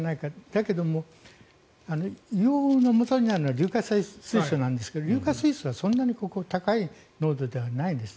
だけど、硫黄のもとになるのは硫化水素なんですが硫化水素はそんなに高い濃度ではないです。